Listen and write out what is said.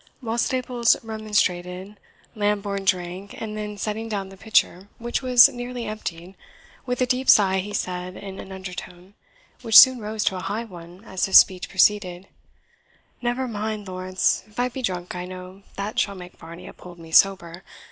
While Staples remonstrated, Lambourne drank; and then setting down the pitcher, which was nearly emptied, with a deep sigh, he said, in an undertone, which soon rose to a high one as his speech proceeded, "Never mind, Lawrence; if I be drunk, I know that shall make Varney uphold me sober.